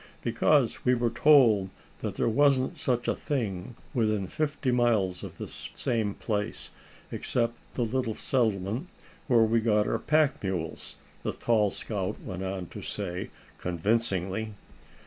"Because we were told that there wasn't such a thing within fifty miles of this same place, except the little settlement where we got our pack mules," the tall scout went on to say, convincingly.